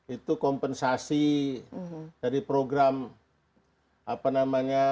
itu kompensasi dari program apa namanya